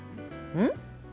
うん？